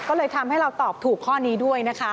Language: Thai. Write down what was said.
ก็เลยทำให้เราตอบถูกข้อนี้ด้วยนะคะ